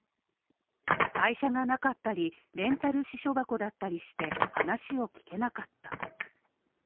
会社がなかったり、レンタル私書箱だったりして、話を聞けなかった。